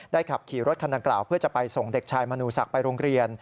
ขับขี่รถคันดังกล่าวเพื่อจะไปส่งเด็กชายมนูศักดิ์ไปโรงเรียน